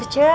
oh mau teh